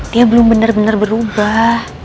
dia belum bener bener berubah